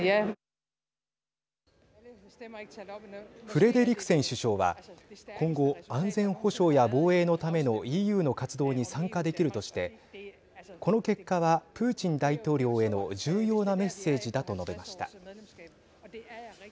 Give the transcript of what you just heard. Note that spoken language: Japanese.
フレデリクセン首相は今後、安全保障や防衛のためのＥＵの活動に参加できるとしてこの結果はプーチン大統領への重要なメッセージだと述べました。